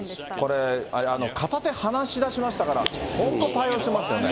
これ、片手放しだしましたから、本当、対応してますよね。